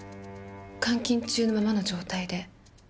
監禁中のままの状態で。